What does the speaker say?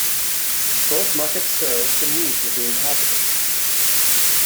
Both markets serve the needs of the inhabitants.